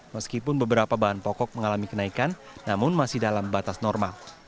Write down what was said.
meskipun beberapa bahan pokok mengalami kenaikan namun masih dalam batas normal